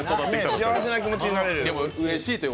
幸せな気持ちになれる。